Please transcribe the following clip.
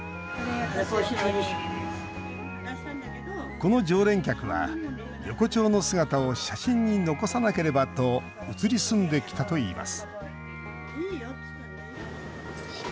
この常連客は、横丁の姿を写真に残さなければと移り住んできたといいます